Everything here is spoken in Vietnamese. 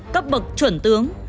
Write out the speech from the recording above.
cấp bậc chuẩn tướng